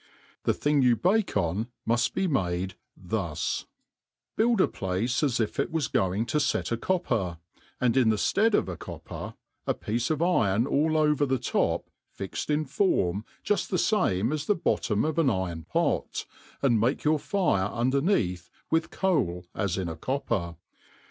The thing you bake on muft be made thus :, Build a place as if you was going to fet a copper, and in the Read of a copper, a piece of iron all over the top fixed in form ju{l the fame as the bottom of an iron pot, and make your fire anderneath with coal as in a copper.